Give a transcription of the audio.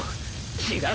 違う。